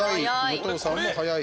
武藤さんも早い。